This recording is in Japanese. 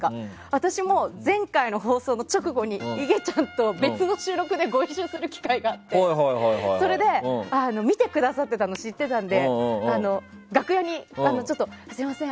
私も前回の放送の直後にいげちゃんと別の収録でご一緒する機会があってそれで、見てくださっていたの知っていたので楽屋に、すいません